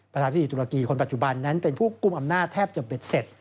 ประธานพิธีตุรกีคนปัจจุบันนั้นเป็นผู้กลุ่มอำนาจแทบจะเบ็ดเสร็จ